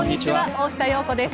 大下容子です。